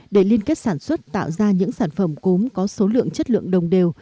để liên kết sản xuất tạo ra những sản phẩm cốm có số lượng chất lượng đồng đều